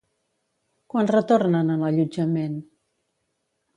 Quan retornen a l'allotjament?